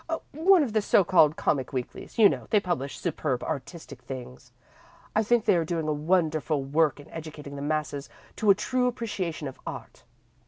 "One of the so called comic weeklies. You know they publish superb artistic things. I think they are doing a wonderful work in educating the masses to a true appreciation of art.